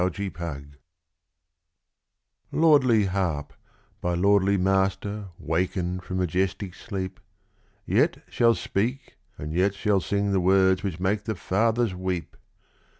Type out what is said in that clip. Leichhardt Lordly harp, by lordly master wakened from majestic sleep, Yet shall speak and yet shall sing the words which make the fathers weep!